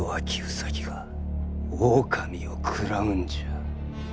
兎が狼を食らうんじゃ。